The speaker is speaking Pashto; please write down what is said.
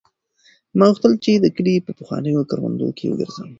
ما غوښتل چې د کلي په پخوانیو کروندو کې وګرځم.